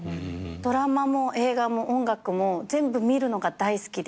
ドラマも映画も音楽も全部見るのが大好きで。